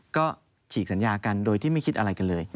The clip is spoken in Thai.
ก็ฉีกสัญญากันโดยที่ไม่คิดอะไรกันเลย